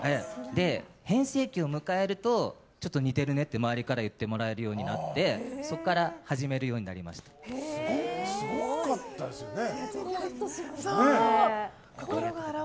変声期を迎えるとちょっと似てるねって周りから言ってもらえるようになってすごかったですよね。